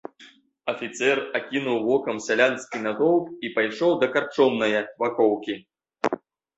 Афіцэр акінуў вокам сялянскі натоўп і пайшоў да карчомнае бакоўкі.